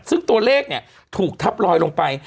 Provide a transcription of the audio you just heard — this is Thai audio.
ซึ่งตัวเลขเนี่ยถูกทับลอยลงไป